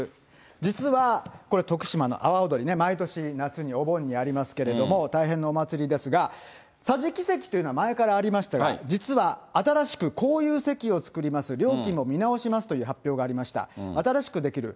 実はこれ徳島の阿波踊りね、毎年夏に、お盆にありますけれども、大変なお祭りですが、さじき席というのは前からありましたが、実は新しくこういう席を作ります、料金も見直しますという発表がありました。